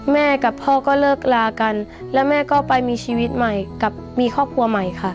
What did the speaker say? แม่กับพ่อก็เลิกลากันแล้วแม่ก็ไปมีชีวิตใหม่กับมีครอบครัวใหม่ค่ะ